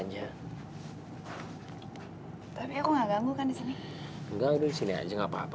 tapi aku nggak ganggu kan enggak disini aja nggak papa